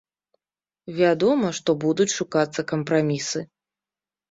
Вядома, што будуць шукацца кампрамісы.